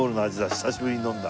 久しぶりに飲んだ。